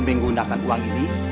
menggunakan uang ini